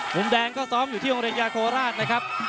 มุมแดงก็ซ้อมอยู่ที่โรงเรียนยาโคราชนะครับ